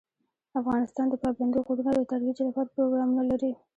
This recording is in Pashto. افغانستان د پابندی غرونه د ترویج لپاره پروګرامونه لري.